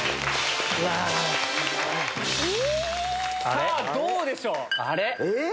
⁉さぁどうでしょう？